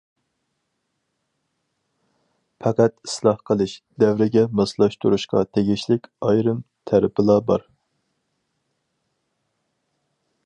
پەقەت ئىسلاھ قىلىش، دەۋرگە ماسلاشتۇرۇشقا تېگىشلىك ئايرىم تەرىپىلا بار.